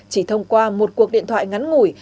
chỉ thông qua một cuộc điện thoại ngắn ngủi